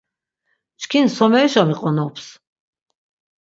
Çkin somerişa miqonops?